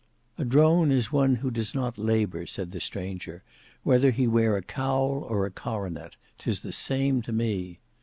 "A drone is one who does not labour," said the stranger; "whether he wear a cowl or a coronet, 'tis the same to me.